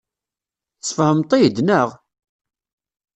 Tesfehmeḍ-t-id, naɣ?